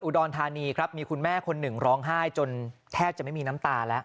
อุดรธานีครับมีคุณแม่คนหนึ่งร้องไห้จนแทบจะไม่มีน้ำตาแล้ว